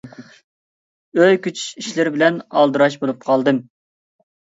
ئۆي كۆچۈش ئىشلىرى بىلەن ئالدىراش بولۇپ قالدىم.